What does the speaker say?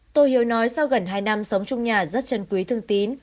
tổ hiếu nói sau gần hai năm sống trong nhà rất trân quý thương tín